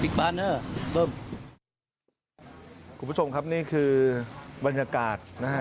คุณผู้ชมครับนี่คือบรรยากาศนะฮะ